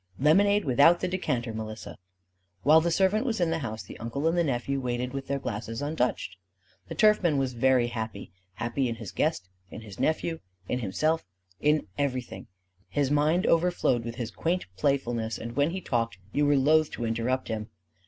"Lemonade without the decanter, Melissa." While the servant was in the house, the uncle and the nephew waited with their glasses untouched. The turfman was very happy happy in his guest, in his nephew, in himself, in everything: his mind overflowed with his quaint playfulness; and when he talked, you were loath to interrupt him.